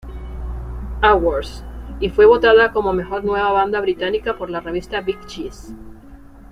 Awards y fue votada como mejor nueva banda británica por la revista Big Cheese.